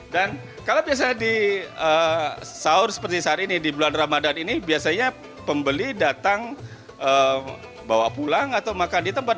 dan kalau biasanya di sahur seperti saat ini di bulan ramadhan ini biasanya pembeli datang bawa pulang atau makan di tempat